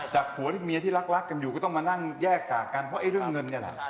ผัวที่เมียที่รักกันอยู่ก็ต้องมานั่งแยกจากกันเพราะไอ้เรื่องเงินเนี่ยแหละ